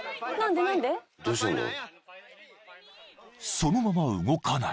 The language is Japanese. ［そのまま動かない。